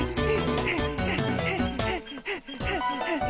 はあはあはあはあ。